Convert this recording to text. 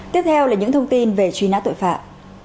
tiếp theo là những thông tin về truy nã tội phạm